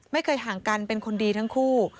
ไม่เคยห่างกันเป็นคนดีทั้งคู่